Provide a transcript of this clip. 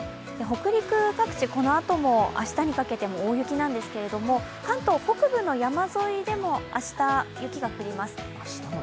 北陸各地、このあとも明日にかけても大雪なんですけれども関東北部の山沿いでも明日、雪が降ります。